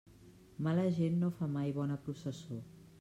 Mala gent no fa mai bona processó.